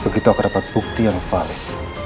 begitu akan dapat bukti yang valid